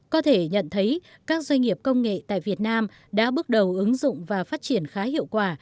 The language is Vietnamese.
có thể nhận thấy các doanh nghiệp công nghệ tại việt nam đã bước đầu ứng dụng và phát triển khá hiệu quả